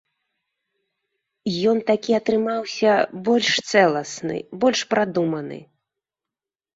Ён такі атрымаўся больш цэласны, больш прадуманы.